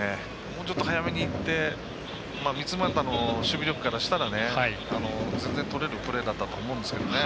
もうちょっと速めにいって三ツ俣の守備力からしたらぜんぜんとれるプレーだったと思うんですけどね。